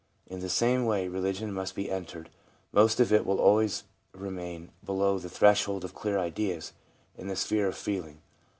In the same way religion must be entered. Most of it will always remain below the threshold of clear ideas, in the sphere of feeling.